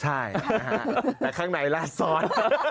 ใช่แต่ข้างในลาดซ้อน